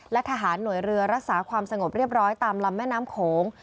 และทหารหน่วยเรือรักษาความสงบเรียบร้อยตามลำแม่น้ำโขง